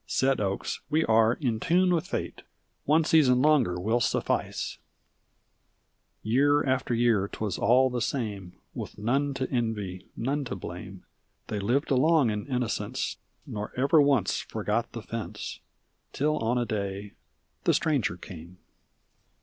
Said Oakes, "We are in tune with Fate: One season longer will suffice/' Year after year *twas all the same: With none to envy, none to blame. They lived along in innocence. Nor ever once forgot the fence. Till on a day the Stranger came.